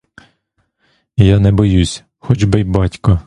Я не боюсь, хоч би й батько!